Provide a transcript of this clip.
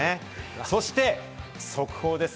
そして速報です！